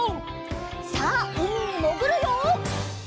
さあうみにもぐるよ！